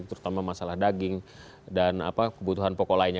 terutama masalah daging dan kebutuhan pokok lainnya